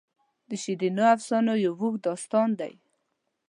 د شیرینو افسانو یو اوږد داستان دی.